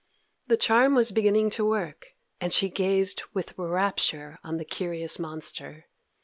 The charm was beginning to work, and she gazed with rapture on the curious monster.